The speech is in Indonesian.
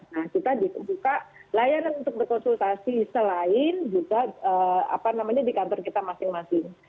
nah kita buka layanan untuk berkonsultasi selain juga di kantor kita masing masing